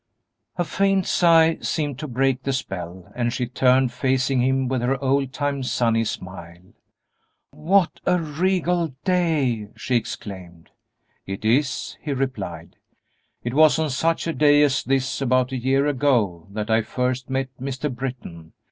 A faint sigh seemed to break the spell, and she turned facing him with her old time sunny smile. "What a regal day!" she exclaimed. "It is," he replied; "it was on such a day as this, about a year ago, that I first met Mr. Britton.